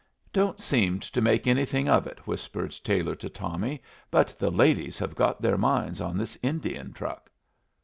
"Don't seem to make anything of it," whispered Taylor to Tommy, "but the ladies have got their minds on this Indian truck."